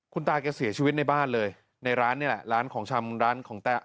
คุณตาแกเสียชีวิตในบ้านเลยในร้านนี่แหละร้านของชำร้านของแต๊ะ